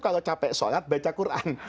kalau capek sholat baca quran